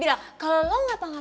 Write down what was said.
tahu ga why dengernya